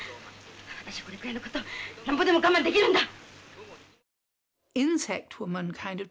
私はこれくらいのこと何ぼでも我慢できるんだ。